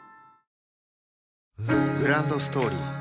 グランドストーリー